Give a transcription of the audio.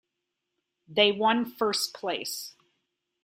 They won first place.